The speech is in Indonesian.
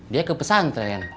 dia ke pesantren